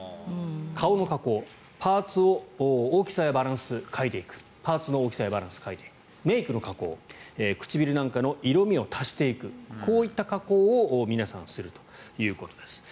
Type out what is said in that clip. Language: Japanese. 顔の加工、パーツを大きさやバランスを変えていくメイクの加工唇なんかの色味を足していくこういった加工を皆さん、するということです。